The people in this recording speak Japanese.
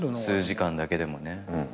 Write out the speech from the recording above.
数時間だけでもね。